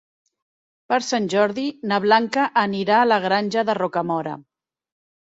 Per Sant Jordi na Blanca anirà a la Granja de Rocamora.